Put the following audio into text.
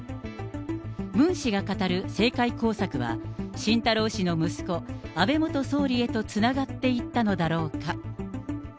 ムン氏が語る政界工作は、晋太郎氏の息子、安倍元総理へとつながっていったのだろうか。